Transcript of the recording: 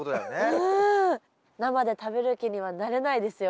生で食べる気にはなれないですよね。